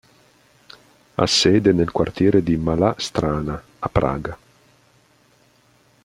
Ha sede nel quartiere di Malá Strana a Praga.